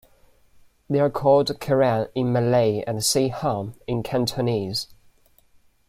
They are called "kerang" in Malay and "see hum" in Cantonese.